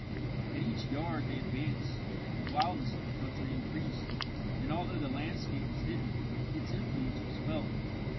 At each yard they advanced the wildness of the country increased, and although the landscape was hidden, its influence was felt.